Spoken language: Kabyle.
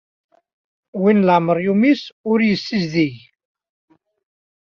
Win leɛmeṛ yumis ur yessizdig.